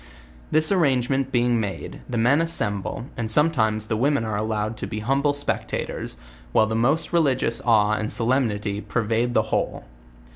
This arrangement being made, the men assemble, and sometimes the women are allowed to be humble spectators, while the most religious awe and solemnity pervade the whole.